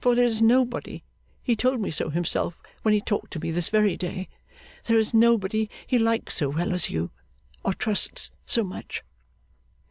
For there is nobody he told me so himself when he talked to me this very day there is nobody he likes so well as you, or trusts so much.